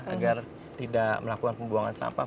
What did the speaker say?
agar tidak melakukan pembuangan sampah